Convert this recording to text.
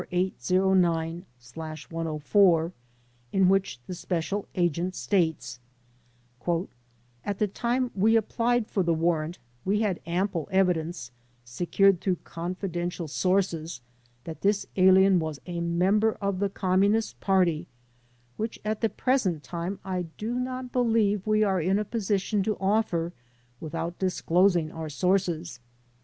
54809/104), in which the special agent states: "At the time we applied for the warrant we had ample evi dence, secured through confidential sources, that this alien was a member of the Communist Party which, at the present time, I do not believe we are in a position to offer without disclosing HOW THE ALIENS WERE TRIED 47 our sources.